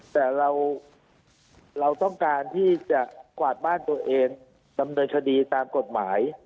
แต่เราต้องการที่จะกวาดบ้านตัวเองดำเนินคดีตามกฎหมาย